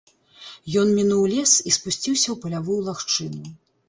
Ён мінуў лес і спусціўся ў палявую лагчыну.